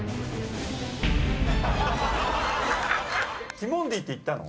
ティモンディって行ったの？